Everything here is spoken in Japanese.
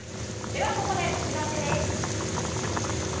ではここでお知らせです。